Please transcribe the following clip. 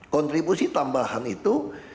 kontribusi tambahan itu